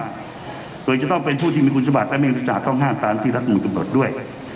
โดยจะต้องเป็นผู้ที่มีคุณสบายและมีศึกษาข้องห้ามตามที่รัฐมนตร์จำหนดด้วย